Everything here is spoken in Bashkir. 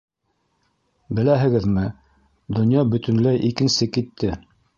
Беләһегеҙме, донъя бөтөнләй икенсе китте.